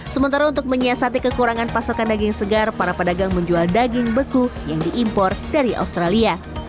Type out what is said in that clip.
sementara untuk menyiasati kekurangan pasokan daging segar para pedagang menjual daging beku yang diimpor dari australia